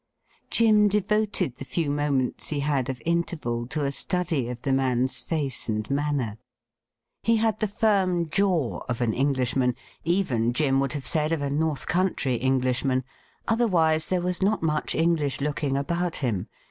Jim devoted the few moments he had of interval to a 72 THE RIDDLE RING study of the man's face and manner. He had the firm jaw of an Englishman — even, Jim would have said, of a North Country Englishman. Otherwise there was not much English looking about him.